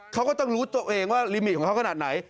เขาก็ต้องรู้ตัวเองว่าลิมิตของเขาขนาดไหน